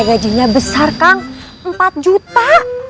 gajinya besar kang empat juta